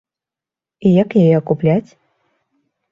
І як яе акупляць?